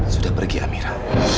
sudah pergi amira